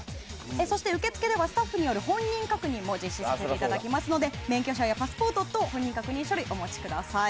そして受付ではスタッフによる本人確認も実施させていただきますので免許証やパスポート等本人確認書類をお持ちください。